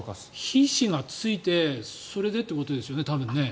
皮脂がついて、多分それでということですよね。